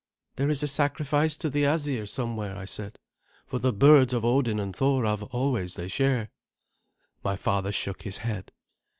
"There is a sacrifice to the Asir somewhere," I said, "for the birds of Odin and Thor have always their share." My father shook his head.